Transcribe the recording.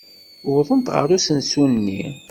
Wwḍent ɣer usensu-nni.